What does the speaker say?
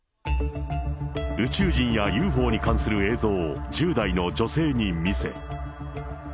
宇宙人やＵＦＯに関する映像を１０代の女性に見せ。